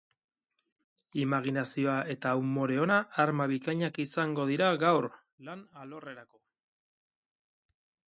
Imaginazioa eta umore ona arma bikainak izango dira gaur, lan alorrerako.